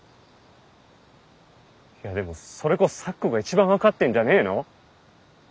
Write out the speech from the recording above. いやでもそれこそ咲子が一番分かってんじゃねぇの？